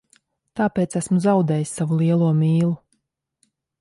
Tāpēc esmu zaudējis savu lielo mīlu.